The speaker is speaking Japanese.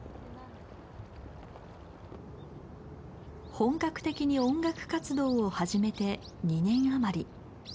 本格的に音楽活動を始めて２年余り。